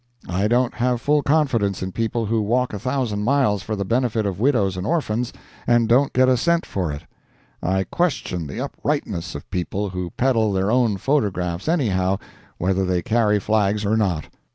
I don't have full confidence in people who walk a thousand miles for the benefit of widows and orphans and don't get a cent for it. I question the uprightness of people who peddle their own photographs, anyhow, whether they carry flags or not.